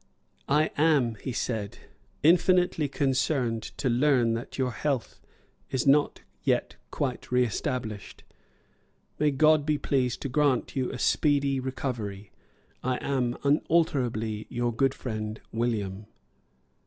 "I am," he said, "infinitely concerned to learn that your health is not yet quite reestablished. May God be pleased to grant you a speedy recovery. I am unalterably your good friend, William."